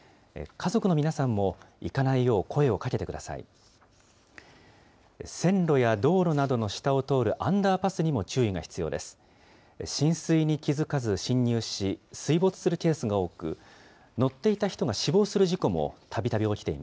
家族の皆さんも、行かないよう声をかけてください。